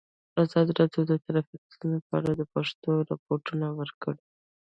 ازادي راډیو د ټرافیکي ستونزې په اړه د پېښو رپوټونه ورکړي.